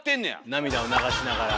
涙を流しながら。